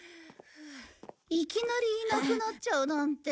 いきなりいなくなっちゃうなんて。